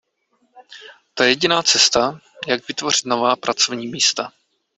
To je jediná cesta, jak vytvořit nová pracovní místa.